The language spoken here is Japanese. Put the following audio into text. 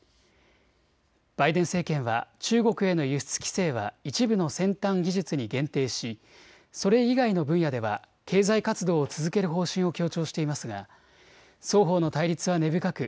バイデン政権は中国への輸出規制は一部の先端技術に限定しそれ以外の分野では経済活動を続ける方針を強調していますが双方の対立は根深く